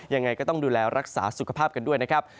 ยังไงก็ต้องดูแลรักษาสุขภาพกันด้วยนะครับ